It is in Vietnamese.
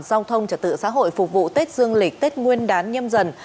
giao thông trật tự xã hội phục vụ tết dương lịch tết nguyên đán nhâm dần